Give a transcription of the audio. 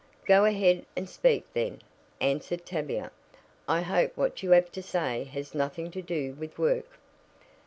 "Go ahead and speak, then," answered Tavia. "I hope what you have to say has nothing to do with work."